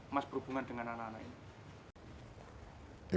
mas berhubungan dengan anak anak ini